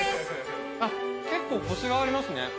結構コシがありますね。